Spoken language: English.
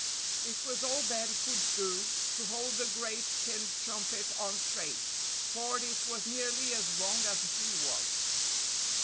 It was all Ben could do to hold the great tin trumpet on straight, for it was nearly as long as he was.